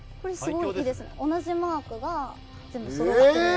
同じマークが全部そろってます。